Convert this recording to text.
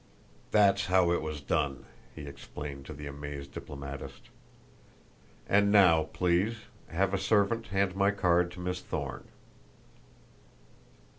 "That's how it was done," he explained to the amazed diplomatist. "And now, please, have a servant hand my card to Miss Thorne."